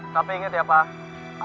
tapi inget ya pak